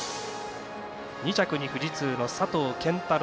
２着に富士通の佐藤拳太郎。